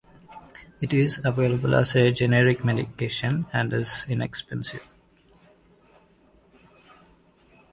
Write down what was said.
It is available as a generic medication and is inexpensive.